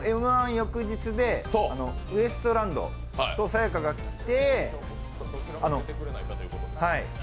翌日でウエストランドとさや香が来て。